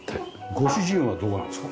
ご主人はどこなんですか？